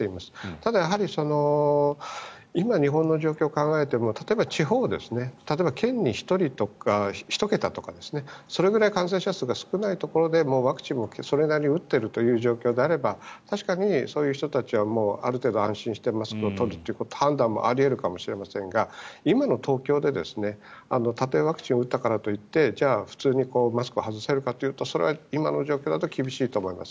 ただ、やはり今、日本の状況を考えても例えば地方で県に１人とか１桁とかそれぐらい感染者数が少ないところでもうワクチンもそれなりに打っているという状況であれば確かにそういう人たちはある程度安心してマスクを取るという判断もあり得るかもしれませんが今の東京で、たとえワクチンを打ったからといってじゃあ普通にマスクを外せるかというとそれは今の状況だと厳しいと思います。